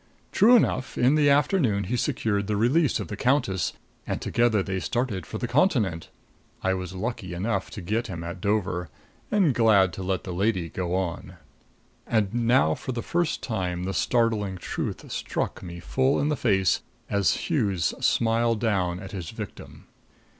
True enough, in the afternoon he secured the release of the countess, and together they started for the Continent. I was lucky enough to get him at Dover and glad to let the lady go on." And now, for the first time, the startling truth struck me full in the face as Hughes smiled down at his victim.